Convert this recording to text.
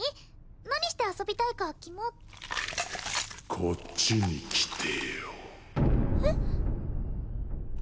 何して遊びたいか決まっこっちに来てよえっ？